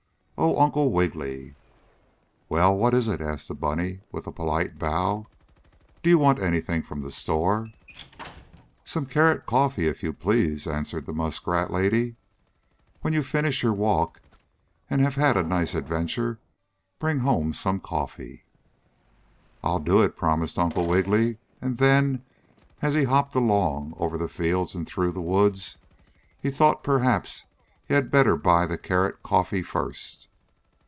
"Oh, Uncle Wiggily!" "Well, what is it?" asked the bunny with a polite bow. "Do you want anything from the store?" "Some carrot coffee, if you please," answered the muskrat lady. "When you finish your walk, and have had a nice adventure, bring home some coffee." "I'll do it," promised Uncle Wiggily, and then, as he hopped along, over the fields and through the woods, he thought perhaps he had better buy the carrot coffee first.